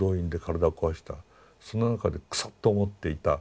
そんな中でクソッと思っていた。